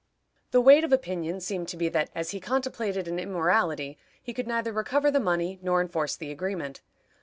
The weight of opinion seemed to be that, as he contemplated an immorality, he could neither recover the money nor enforce the agreement.